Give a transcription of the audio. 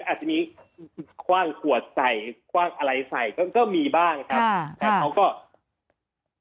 อาจจะมีคว่างขวดใส่คว่างอะไรใส่ก็มีบ้างครับแต่เขาก็